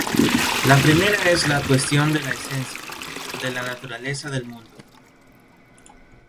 La primera es la cuestión de la esencia, de la naturaleza del mundo.